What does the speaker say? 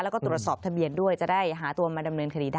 แล้วก็ตรวจสอบทะเบียนด้วยจะได้หาตัวมาดำเนินคดีได้